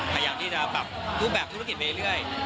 พยายามที่จะปรับรูปแบบธุรกิจไปเรื่อย